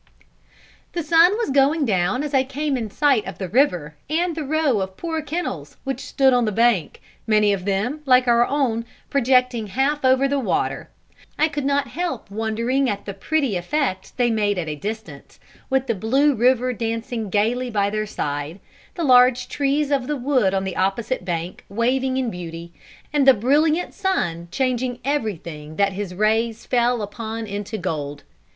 The sun was just going down as I came in sight of the river and the row of poor kennels which stood on the bank, many of them, like our own, projecting half over the water. I could not help wondering at the pretty effect they made at a distance, with the blue river dancing gaily by their side, the large trees of the wood on the opposite bank waving in beauty, and the brilliant sun changing everything that his rays fell upon into gold.